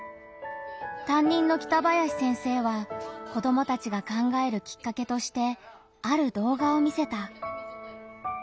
担任の北林先生は子どもたちが考えるきっかけとしてある動画を見せた。